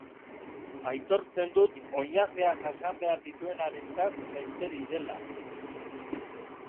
Aitortzen dut oinazeak jasan behar dituenarentzat besterik dela...